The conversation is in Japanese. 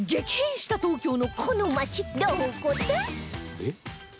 「えっ？」